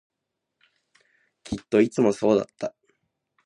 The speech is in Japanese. きっといつもそうだった